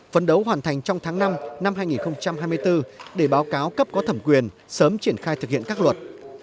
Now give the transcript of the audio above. phấn đấu hoàn thành trong tháng năm năm hai nghìn hai mươi bốn để báo cáo cấp có thẩm quyền sớm triển khai thực hiện các luật